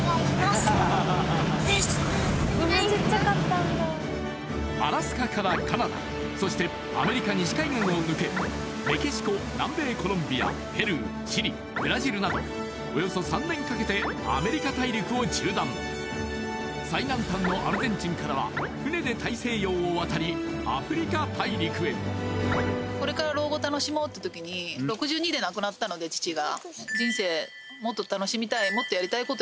アメリカ大陸の北部アラスカからカナダそしてアメリカ西海岸を抜けメキシコ南米コロンビアペルーチリブラジルなどおよそ３年かけてアメリカ大陸を縦断最南端のアルゼンチンからは船で大西洋を渡りアフリカ大陸へって思ったんですよね